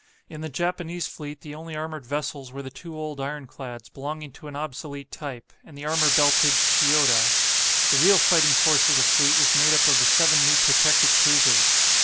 In the Japanese fleet the only armoured vessels were the two old ironclads, belonging to an obsolete type, and the armour belted "Chiyoda." The real fighting force of the fleet was made up of the seven new protected cruisers.